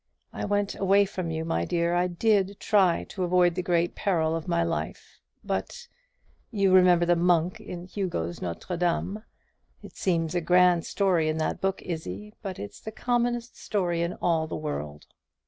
I went away from you, my dear; I did try to avoid the great peril of my life; but you remember the monk in Hugo's 'Notre Dame.' It seems a grand story in that book, Izzie, but it's the commonest story in all the world.